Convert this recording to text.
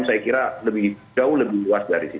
saya kira lebih jauh lebih luas dari situ